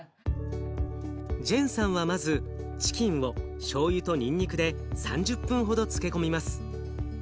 ジェンさんはまずチキンをしょうゆとにんにくで３０分ほど漬け込みます。